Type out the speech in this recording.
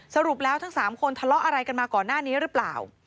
สรุปแล้วทั้ง๓คนทะเลาะอะไรกันมาก่อนหน้านี้หรือเปล่า